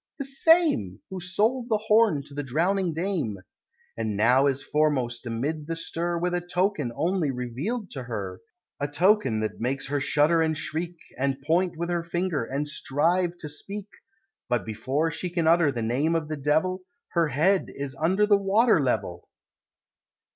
the same! Who sold the Horn to the drowning Dame! And now is foremost amid the stir With a token only reveal'd to her; A token that makes her shudder and shriek, And point with her finger, and strive to speak But before she can utter the name of the Devil, Her head is under the water level!